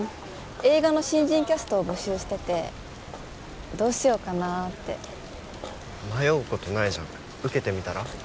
映画の新人キャストを募集しててどうしようかなって迷うことないじゃん受けてみたら？